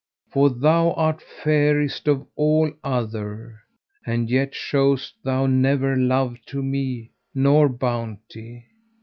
for thou art fairest of all other, and yet showest thou never love to me, nor bounty.